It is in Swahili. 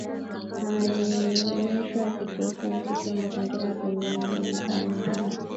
Maadhimisho ya Kitaifa ya Siku ya Mazingira duniani Mkoani Mara